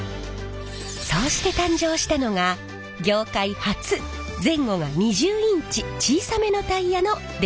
そうして誕生したのが業界初前後が２０インチ小さめのタイヤの電動アシスト自転車。